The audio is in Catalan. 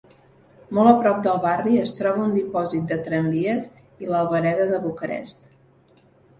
Molt a prop del barri es troba un dipòsit de tramvies i l'albereda de Bucarest.